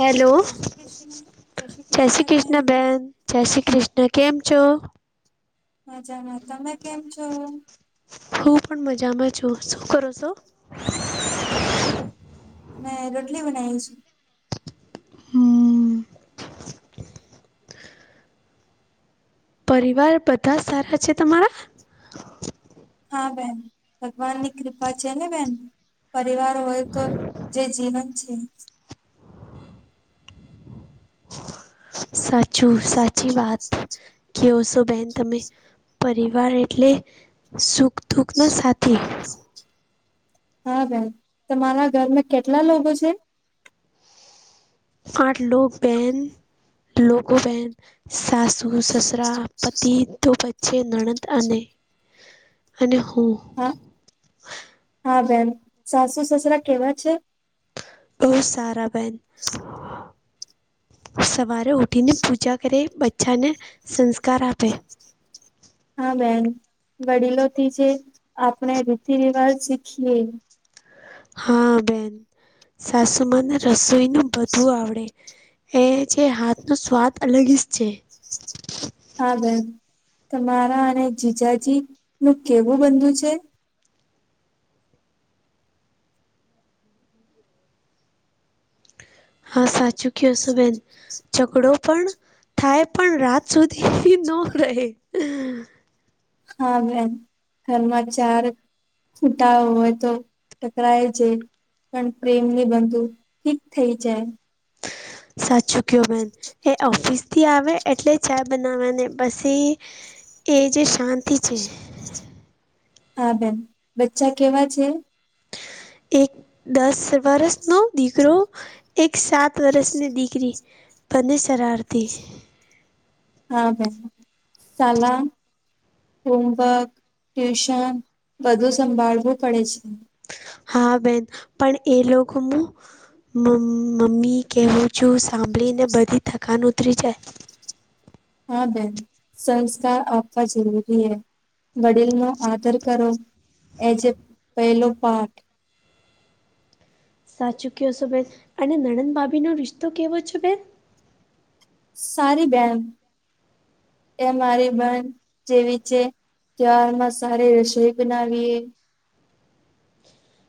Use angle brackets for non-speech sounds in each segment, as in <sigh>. Hello જય શ્રી કૃષ્ણ જય શ્રી કૃષ્ણા બેન. જય શ્રી કૃષ્ણ કેમ છો? મજા તમે કેમ છો? હું પણ મજામાં છું શું કરો સો? મેં રોટલી બનાઇ શું. હમ્મ. પરિવાર બધા સારા છે તમારા. હા બેન ભગવાન ની કૃપા છે ને બેન. પરિવાર હોય તો જે જીવન છે. સાચું સાચી વાત કે હો શો બેન તમે. પરિવાર એટલે સુખ દુઃખના સાથી. હા બેન તમારા ઘરમાં કેટલા લોકો છે. આઠ લોગ બહેન લોગો બેન સાસ વ સસરા, પતિ તો બચ્ચે, નણદ અને અને હું. હા હા બેન સાસુ સસરા કેવા છે? બો સારા બેન. સવારે ઉઠીને પૂજા કરે બચ્ચાંને સંસ્કાર આપે. હા બેન વડીલોથી જે આપણે રીતિ રિવાજ શીખીએ. હા બેન સાસુમાને રસોઈનું બધું બધું આવડે એ જે હાથ નો સ્વાદ અલગ જ છે. હા બેન તમારા અને જીજાજી નું કેવું બંધુ છે. હા સાચું કયો શો બેન. ઝઘડો પણ થાય પણ રાત સુધી નો રહે. હા બેન ઘરમાં ચાર કુટાવ હોય તો ટકરાય છે. પણ પ્રેમ ની બંધુ ઠીક થઇ જાય. સાચું કયો બેન એ ઓફિસથી આવે એટલે ચા બનાવાને પસી એ જે શાંતિ છે. હા બેન બચ્ચા કેવા છે. એક દસ વરસ નો દીકરો એક સાત વર્ષની દીકરી બંને શરારતી. હા બેન સાલા હોમવર્ક ટ્યુશન બધું સંભાળવું પડે છે. હા બેન પણ એ લોકો મુ મ મમ્મી કહેવું છું સાંભળીને બધી થકાન ઉતરી જાય. હા બેન સંસ્કાર આપવા જરૂરી હે. વડીલ નો આદર કરો એજે પહેલો પાઠ સાચું કયો છો બેન અને નણંદ ભાભી નો રિશ્તો કેવો છે બેન? સારી બેન એ મારી બેન જેવી છે. તહેવાર માં સારી રસોઈ બનાવીએ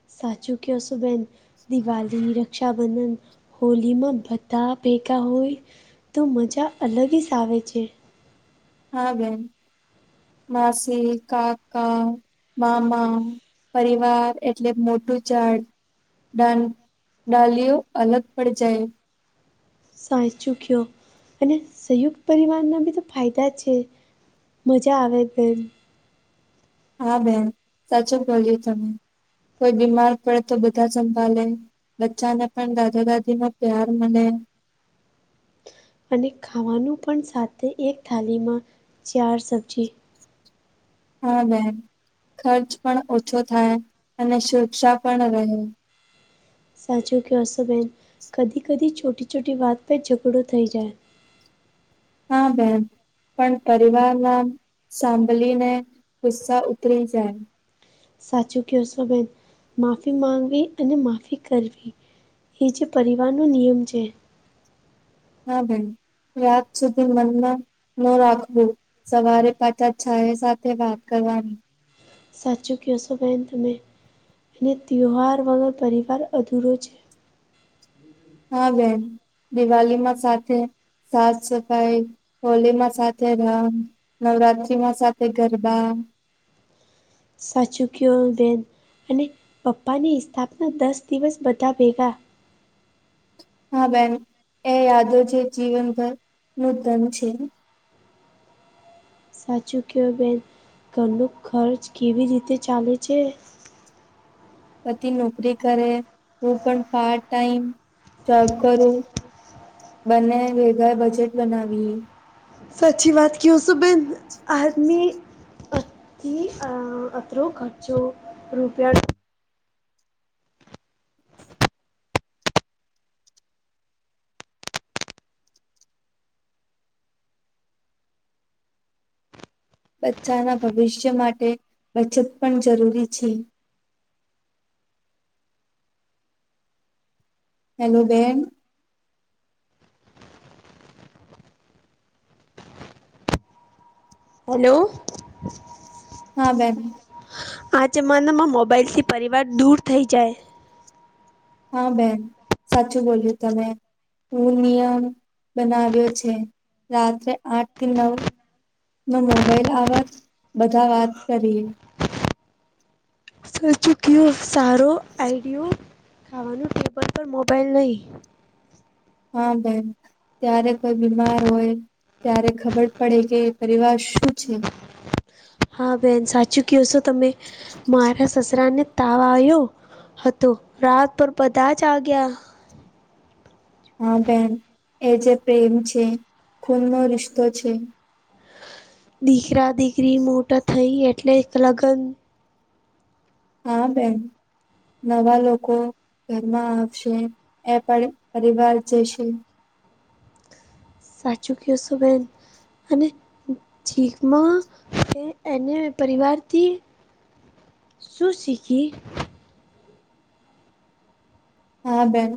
સાચું ક્યો શો બેન. દિવાલી, રક્ષાબંધન, હોલીમાં બધા ભેગા હોય તો મજા અલગ ઇસ આવે છે. હા બેન માસી, કાકા, મામા પરિવાર એટલે મોટું ઝાડ. ડાન ડાલિઓ અલગ પડ જાય. સાચું ક્યો અને સંયુક્ત પરિવારના બી તો ફાયદા છે. મજા આવે બેન. હા બેન સાચું બોલીય તમે કોઈ બીમાર પડે તો બધા સંભાલેે બચ્ચા ને પણ દાદા દાદી માં પ્યાર મલે અને ખાવાનું પણ સાથે એક થાલીમાં ચાર સબ્જી હા બેન ખર્ચ પણ ઓછો થાય અને સુરક્ષા પણ રહે સાચું ક્યો શો બેન કદી કદી છોટી છોટી વાત પે ઝઘડો થઈ જાય હા બેન પણ પરિવાર ના સાંભલિને ગુસ્સા ઉતરી જાય સાચું ક્યો શો બેન માફી માંગવી અને માફી કરવી એ જે પરિવારનો નિયમ છે હા બેન રાત સુધી મનમાં ન રાખવું સવારે પાછા છાયા સાથે વાત કરવાની સાચું ક્યો શો બેન તમે અને ત્યોહાર વગર પરિવાર અધૂરો છે હા બેન દિવાલીમાં સાથે સાફ સફાઈ હોલી માં સાથે રંગ નવરાત્રીમાં સાથે ગરબા સાચું ક્યો હો બેન અને બપ્પા સ્થાપના દસ દિવસ બધા ભેગા હા બેન એ યાદો છે જીવનભર નું ધન છે સાચું ક્યો બેન ઘરનું ખર્ચ કેવી રીતે ચાલે છે પતિ નોકરી કરે હું પણ પાર્ટ ટાઈમ જોબ કરું બંને ભેગા બજેટ બનાવીએ સાચી વાત ક્યો શો બેન આદમી અ ની અ અત્રરો ખર્ચો રૂપિયાનો બચ્ચાના ભવિષ્ય માટે બચત પણ જરૂરી છે હેલો બેન હલો હા બેન આ જમાનામાં મોબાઈલથી પરિવાર દૂર થઈ જાય હા બેન સાચું બોલ્યું તમે હુ નિયમ બનાવ્યો છે રાત્રે આઠ થી નવ ન મોબાઈલ આવત બધા વાત કરીયે સચું કયો સારો આઈડિયો ખાવાનું ટેબલ પર મોબાઈલ નહીં હા બેન ત્યારે કોઈ બીમાર હોય ત્યારે ખબર પડે કે પરિવાર શું છે હા બેન સાચું કયો છો તમે મારા સસરાને તાવ આવ્યો હતો રાત પર બધા જ આવ ગયા હા બેન એ જે પ્રેમ છે ખૂન નો રિશ્તો છે દીકરા દીકરી મોટા થઈ એટલે એક લગ્ન હા બેન નવા લોકો ઘરમાં આવશે એ પણ પરિવાર જશે સાાચુ કીઓ છો બેન અને જીકમાં એ એને પરિવારથી શું શીખી હા બેન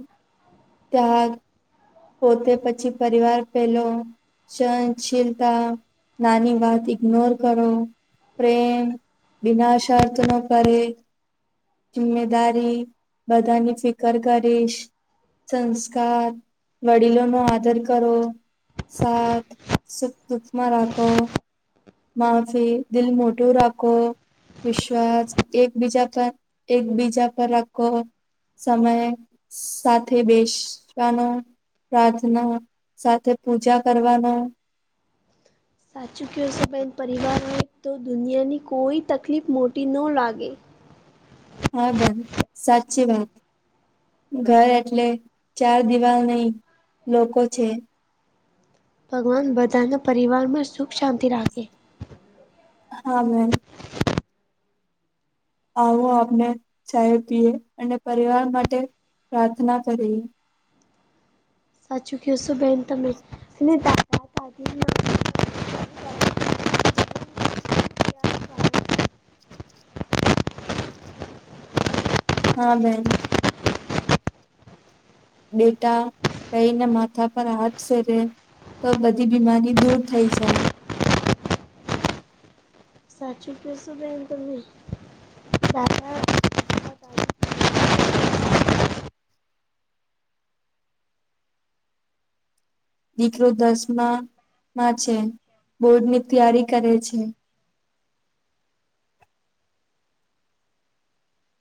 ત્યાંગ પોતે પછી પરિવાર પેલો સહનશીલતા નાની વાત ઇગ્નોર કરો પ્રેમ વિના શર્ત નો કરે કે જિમ્મેદારી બધાની ફિકર કરીશ સંસ્કાર વડીલો નો આદર કરવો સાથ સુખ દુઃખમાં રાખો માફી દિલ મોટું રાખો વિશ્વાસ એકબીજા પર એકબીજા પર રાખો સમયે સાથે બેસવાનો પ્રાર્થના સાથે પૂજા કરવાનો. સાચું કહેશોબહેન પરિવારને તો દુનિયાની કોઈ તકલીફ મોટી ન લાગે. હા બેન સાચી વાત. ઘર એટલે ચાર દિવાલ નહી લોકો છે. ભગવાન બધાના પરિવારમાં સુખ શાંતિ રાખે હા મે. આવો આપને ચાય પીએ અને પરિવાર માટે પ્રાર્થના કરીએ, સાચું કીયોસો બેન તમે હા બેન. બેટા કહીને માથા પર હાથ ફેરવે. તો બધી બીમારી દૂર થઈ જાય. સાચું કેશો બેન તમે દા દીકરો દસમા માં છે બોર્ડ ની તૈયારી કરે છે.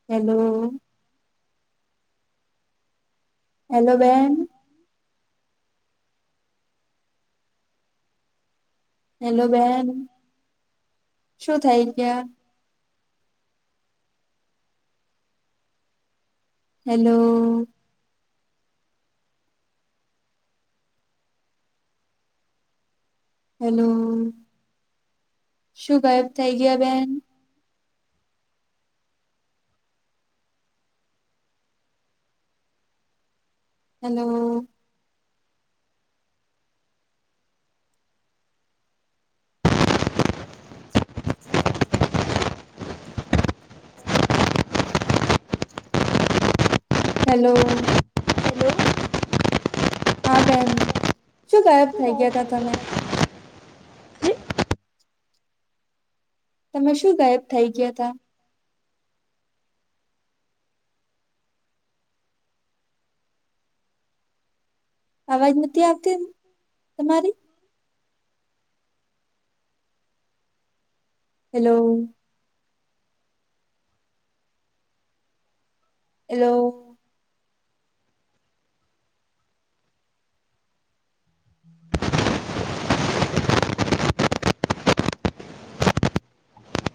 હેલો. હેલો બેન. હેલો બેહેન શું થઈ ગયા. હેલો. હેલો શું ગાયબ થઇ ગયા બેન. હેલો. હેલો હેલો હા બેહેન શું ગાયબ થઈ ગયા ત તમે તો તમે શું ગાયબ થઈ ગયા હતા. અવાજ નથી આપતી તમારી. હેલો. હેલો. <unintelligible>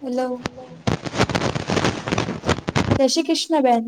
હેલો. જય શ્રી કૃષ્ણ બેન